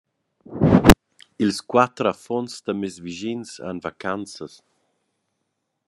Ils quater affons da mes vischins han vacanzas.